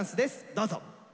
どうぞ。